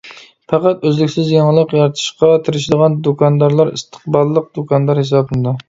پەقەت ئۆزلۈكسىز يېڭىلىق يارىتىشقا تىرىشىدىغان دۇكاندارلا ئىستىقباللىق دۇكاندار ھېسابلىنىدۇ.